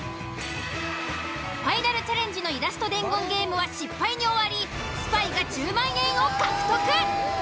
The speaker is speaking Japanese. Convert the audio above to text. ファイナルチャレンジのイラスト伝言ゲームは失敗に終わりスパイが１０万円を獲得。